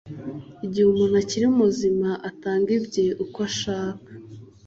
igihe umuntu akiri muzima atanga ibye uko ashaka